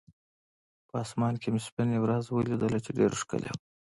په اسمان کې مې سپینه ورېځ ولیدله، چې ډېره ښکلې وه.